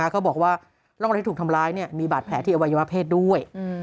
เขาบอกว่าร่องรอยที่ถูกทำร้ายมีบาดแผลที่อวัยวะเพศด้วย